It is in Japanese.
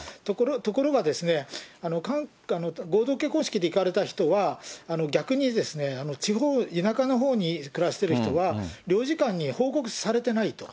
ところが、合同結婚式で行かれた人は、逆に地方、田舎のほうに暮らしてる人は領事館に報告されてないと。